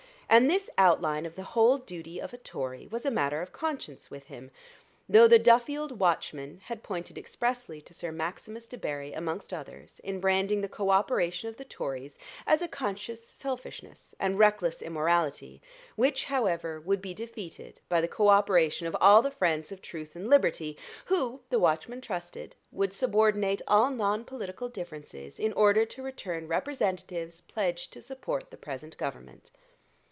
And this outline of the whole duty of a Tory was a matter of conscience with him; though the Duffield Watchman had pointed expressly to Sir Maximus Debarry amongst others, in branding the co operation of the Tories as a conscious selfishness and reckless immorality, which, however, would be defeated by the co operation of all the friends of truth and liberty, who, the Watchman trusted, would subordinate all non political differences in order to return representatives pledged to support the present government.